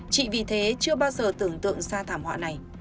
trị vì thế chưa bao giờ tưởng tượng ra thảm họa này